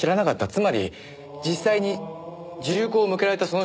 つまり実際に銃口を向けられたその瞬間